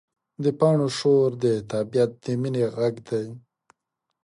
د پاڼو شور د طبیعت د مینې غږ دی.